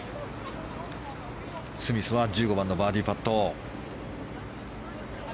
スミスは１５番のバーディーパット。